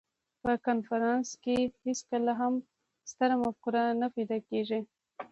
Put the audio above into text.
په کنفرانس کې هېڅکله هم ستره مفکوره نه پیدا کېږي.